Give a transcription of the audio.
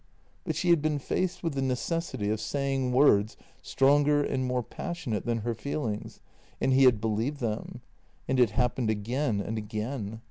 But she had been faced with the necessity of saying words stronger and more passionate than her feelings, and he had believed them. And it happened again and again.